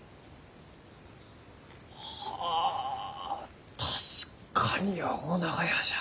はあ確かに青長屋じゃ。